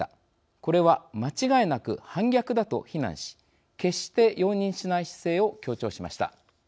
これは間違いなく反逆だ」と非難し決して容認しない姿勢を強調しました。